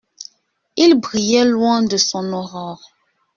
Il brillait loin de son aurore.